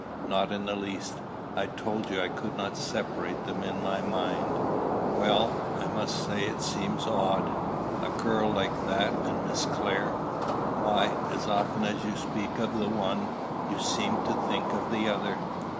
"Not in the least. I told you I could not separate them in my mind." "Well, I must say, it seems odd. A girl like that and Miss Clare! Why, as often as you speak of the one, you seem to think of the other."